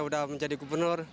sudah menjadi gubernur